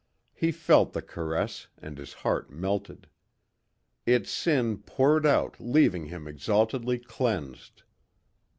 He felt the caress and his heart melted. Its sin poured out leaving him exaltedly cleansed.